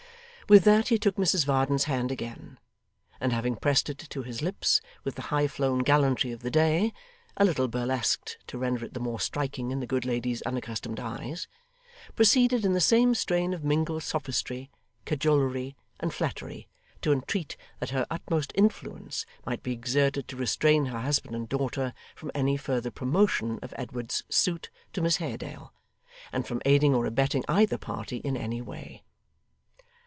With that he took Mrs Varden's hand again, and having pressed it to his lips with the highflown gallantry of the day a little burlesqued to render it the more striking in the good lady's unaccustomed eyes proceeded in the same strain of mingled sophistry, cajolery, and flattery, to entreat that her utmost influence might be exerted to restrain her husband and daughter from any further promotion of Edward's suit to Miss Haredale, and from aiding or abetting either party in any way.